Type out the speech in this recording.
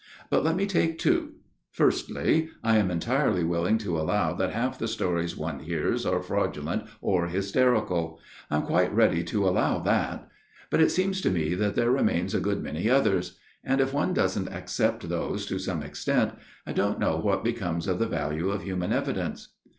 But let me take two. Firstly, I am entirely willing to allow that half the stories one hears are fraudulent 6 A MIRROR OF SHALOTT or hysterical ; I'm quite ready to allow that. But it seems to me that there remain a good many others ; and if one doesn't accept those to some extent, I don't know what becomes of the value of human evidence.